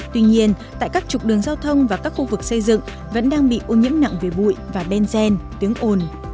tuy nhiên tại các trục đường giao thông và các khu vực xây dựng vẫn đang bị ô nhiễm nặng về bụi và ben gen tiếng ồn